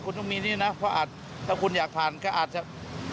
คุณต้องมีนี่นะเพราะอาจถ้าคุณอยากผ่านก็อาจจะ